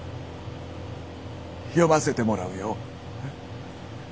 読ませてもらうよ。